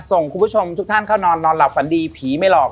คุณผู้ชมทุกท่านเข้านอนนอนหลับฝันดีผีไม่หลอก